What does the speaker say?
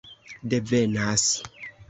devenas